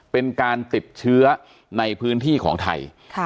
เป็นการติดเชื้อในพื้นที่ของไทย